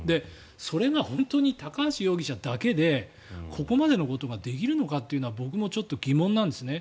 それが本当に高橋容疑者だけでここまでのことができるのかというのは僕もちょっと疑問なんですね。